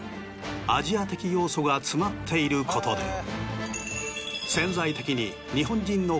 アジア的要素が詰まっていることで潜在的に。